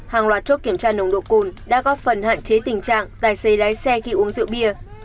hàng loạt chốt kiểm tra nồng độ cồn đã góp phần hạn chế tình trạng tài xế lái xe khi uống rượu bia